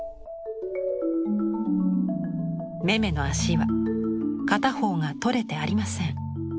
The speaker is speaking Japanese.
メメの足は片方が取れてありません。